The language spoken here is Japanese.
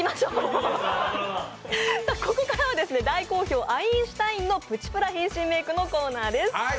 ここからは大好評アインシュタインのプチプラ変身メークのコーナーです。